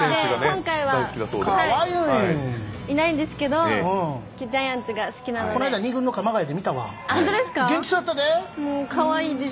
今回はいないんですけどジャイアンツが好きなので。